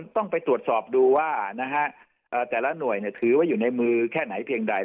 ต้องไปตรวจสอบดูว่าแต่ละหน่วยถือว่าอยู่ในมือแค่ไหนเพียงใด